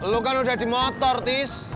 lu kan udah di motor tis